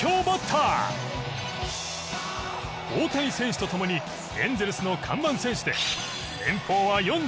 大谷選手とともにエンゼルスの看板選手で。